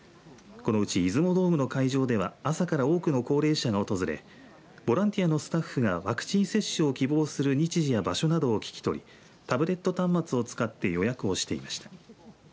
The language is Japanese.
このうち出雲ドームの会場では朝から多くの高齢者が訪れボランティアのスタッフがワクチン接種を希望する日時や場所などを聞き取りタブレット端末を使って予約をしていました。